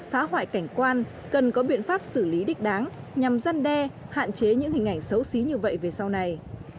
phá hoại cảnh quan cần có biện pháp xử lý đích đáng nhằm gian đe hạn chế những hình ảnh xấu xí như vậy về sau này